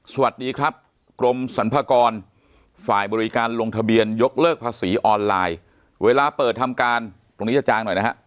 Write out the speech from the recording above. สวัสดีครับกรมสรรพากรฝ่ายบริการลงทะเบียนยกเลิกภาษีออนไลน์เวลาเปิดทำการตรงนี้จะจางหน่อยนะฮะ